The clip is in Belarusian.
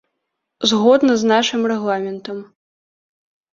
Згодна з нашым рэгламентам.